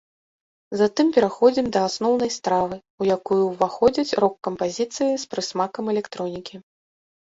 Затым пераходзім да асноўнай стравы, у якую ўваходзяць рок-кампазіцыі з прысмакам электронікі.